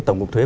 tổng cục thuế